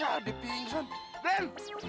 aduh dia pingsan glenn